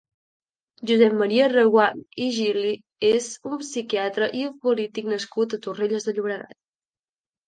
Josep Maria Reguant i Gili és un psiquiatre i polític nascut a Torrelles de Llobregat.